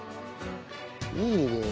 いいねえ。